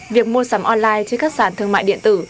việc mua sắm online trên các sản thương mại điện tử